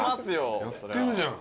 やってるじゃん。